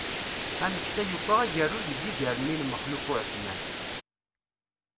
Ameksa yufa agerruj deg iger-nni n Maxluf Uεetman.